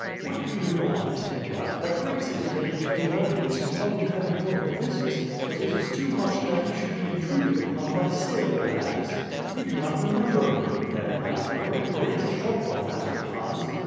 "What do you want?" he asked. "The prince is ready to give audience to all who have important business, but it is too much that he should be intruded upon by sailor lads." "You do not remember me!" Ned laughed. "Your memory is a short one, Master Hans."